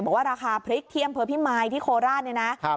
บอกว่าราคาพริกที่อำเภอพิมายที่โคราชเนี่ยนะ